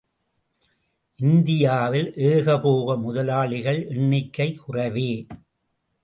இந்தியாவில் ஏகபோக முதலாளிகள் எண்ணிக்கை குறைவே.